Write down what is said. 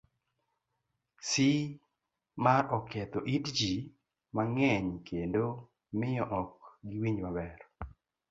C. mar Oketho it ji mang'eny kendo miyo ok giwinj maber